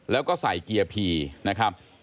แล้วก็ใส่เกียร์พีนะครับ